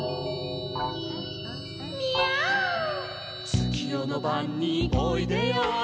「つきよのばんにおいでよおいで」